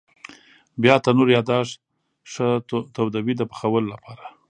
بیا تنور یا داش ښه تودوي د پخولو لپاره.